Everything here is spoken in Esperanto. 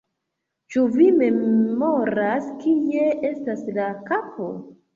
Ĉu vi memoras kie estas la kapo?